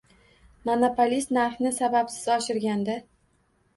Monopolist narxni sababsiz oshirganda